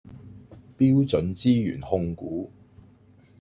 標準資源控股